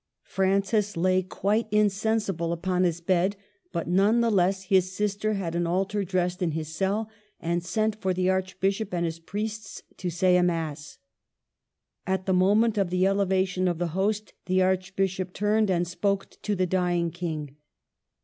Francis lay quite insensible upon his bed ; but none the less his sister had an altar dressed in his cell, and sent for the Archbishop and his priests to say a Mass. At the moment of the elevation of the Host the Archbishop turned and spoke to the dying King.